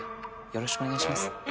よろしくお願いします。